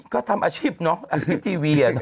ก็ทำอาชีพเนอะอาชีพทีวี